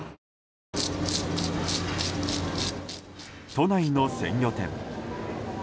都内の鮮魚店。